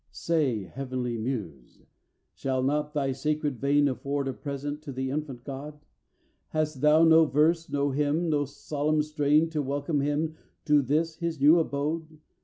in Say, Heavenly Muse, shall not thy sacred vein Afford a present to the Infant God? Hast thou no verse, no hymn, or solemn strain, To welcome him to this his new abode.